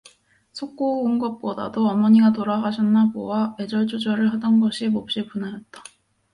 속고 온 것보다도 어머니가 돌아가셨나 보아 애절초절을 하던 것이 몹시 분하였다.